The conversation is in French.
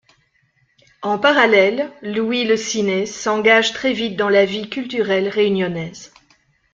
En parallèle, Louis Le Siner s’engage très vite dans la vie culturelle réunionnaise.